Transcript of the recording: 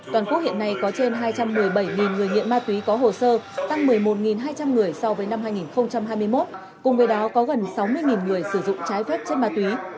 toàn quốc hiện nay có trên hai trăm một mươi bảy người nghiện ma túy có hồ sơ tăng một mươi một hai trăm linh người so với năm hai nghìn hai mươi một cùng với đó có gần sáu mươi người sử dụng trái phép chất ma túy